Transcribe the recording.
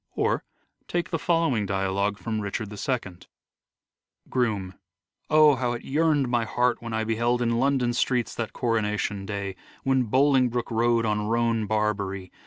Or, take the following dialogue from " Richard II ": Groom : 0 ! how it yearn 'd my heart when I beheld In London streets that coronation day, When Bolingbroke rode on roan Barbary.